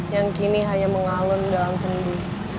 yang kini hanya mengalun dalam sendi